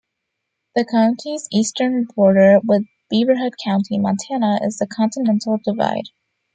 The county's eastern border with Beaverhead County, Montana, is the continental divide.